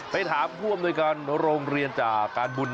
ไปถามร่วมด้วยการโรงเรียนจาก